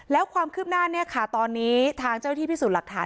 แล้วความคืบหน้าเนี่ยค่ะตอนนี้ทางเจ้าที่พิสูจน์หลักฐาน